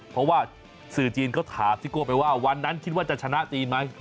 เพราะว่าสื่อจีนเขาถามซิโก้ไปว่าวันนั้นคิดว่าจะชนะจีนไหม